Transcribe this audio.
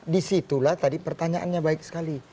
di situlah tadi pertanyaannya baik sekali